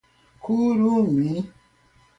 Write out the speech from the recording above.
kurumin